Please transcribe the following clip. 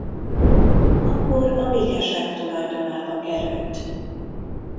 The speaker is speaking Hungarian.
Akkor a Mikesek tulajdonába került.